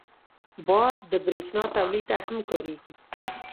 باد د بریښنا تولید ته هم کارېږي